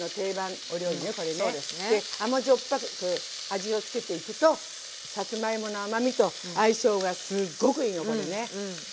味を付けていくとさつまいもの甘みと相性がすっごくいいのこれね。